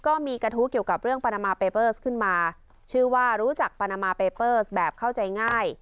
ก็มีกระทู้เกี่ยวกับเรื่องปานามาเปเปอร์สขึ้นมาชื่อว่ารู้จักปานามาเปเปอร์สแบบเข้าใจง่าย